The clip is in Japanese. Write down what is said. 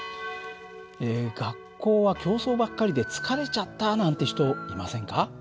学校は競争ばっかりで疲れちゃったなんて人いませんか？